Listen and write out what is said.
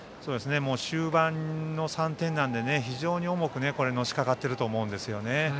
終盤の３点なので非常に重くのしかかっていると思うんですね。